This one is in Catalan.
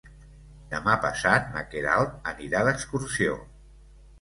Demà passat na Queralt anirà d'excursió.